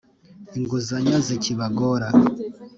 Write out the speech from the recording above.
Inguzanyo zikibagora